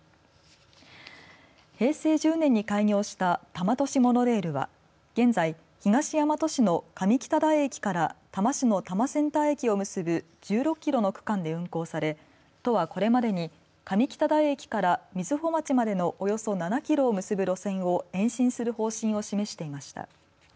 平成１０年に開業した多摩都市モノレールは現在、東大和市の上北台駅から多摩市の多摩センター駅を結ぶ１６キロの区間で運行され都は、これまでに上北台駅から瑞穂町までのおよそ７キロを結ぶ路線を延伸する方針を示していました。